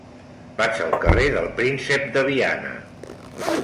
Vaig al carrer del Príncep de Viana.